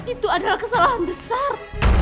itu adalah kesalahan besar